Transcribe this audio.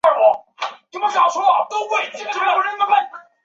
曾铣人。